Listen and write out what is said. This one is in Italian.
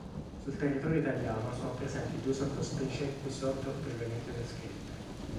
Sul territorio italiano sono presenti due sottospecie qui sotto brevemente descritte.